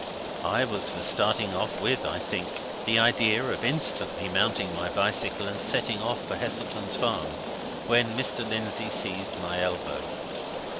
I was for starting off, with, I think, the idea of instantly mounting my bicycle and setting out for Heselton's farm, when Mr. Lindsey seized my elbow.